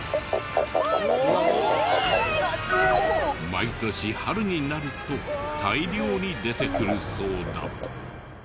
毎年春になると大量に出てくるそうだ。